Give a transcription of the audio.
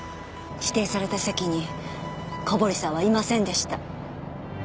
指定された席に小堀さんはいませんでした。